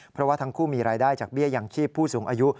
เพราะว่าทั้งคู่มีรายได้จากเบี้ยยังชีพผู้สูงอายุ